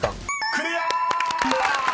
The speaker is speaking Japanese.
［クリア！］